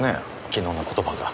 昨日の言葉が。